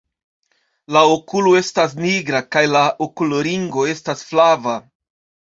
La okulo estas nigra kaj la okulringo estas flava.